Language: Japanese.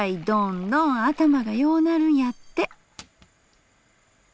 どんどん頭がようなるんやって』」。